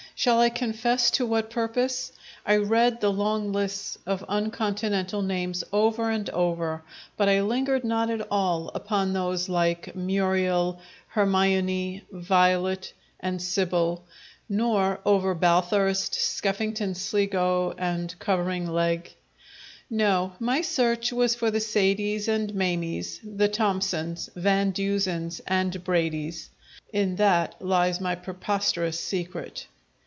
Shall I confess to what purpose? I read the long lists of uncontinental names over and over, but I lingered not at all upon those like "Muriel," "Hermione," "Violet," and "Sibyl," nor over "Balthurst," "Skeffington Sligo," and "Covering Legge"; no, my search was for the Sadies and Mamies, the Thompsons, Van Dusens, and Bradys. In that lies my preposterous secret.